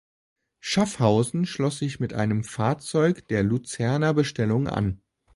Schaffhausen schloss sich mit einem Fahrzeug der Luzerner Bestellung an.